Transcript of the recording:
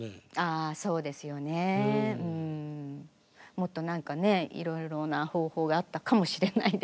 もっと何かねいろいろな方法があったかもしれないですよね。